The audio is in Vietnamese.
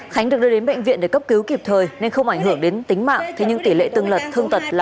khánh được đưa đến bệnh viện để cấp cứu kịp thời nên không ảnh hưởng đến tính mạng thế nhưng tỷ lệ tương lật thương tật là một mươi bảy